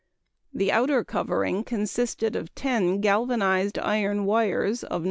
The outer covering consisted of ten galvanized iron wires of No.